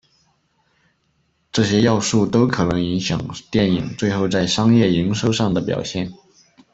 这些要素都可能影响电影最后在商业营收上的表现。